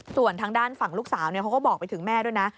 ส่วนทางด้านฝั่งลูกสาวเขาก็บอกไปถึงแม่ด้วยนะ